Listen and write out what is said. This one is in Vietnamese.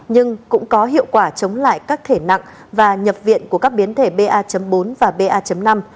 nhưng cũng có hiệu quả chống lại các thể nặng và nhập viện của các biến thể ba bốn và ba năm